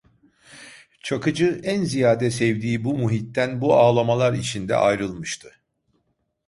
Çakıcı en ziyade sevdiği bu muhitten bu ağlamalar içinde ayrılmıştı.